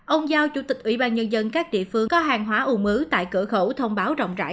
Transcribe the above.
ông giao chủ tịch ủy ban nhân dân các địa phương có hàng hóa u mứ tại cửa khẩu thông báo rộng rãi